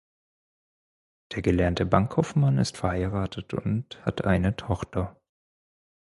Der gelernte Bankkaufmann ist verheiratet und hat eine Tochter.